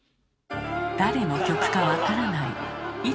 誰の曲かわからない。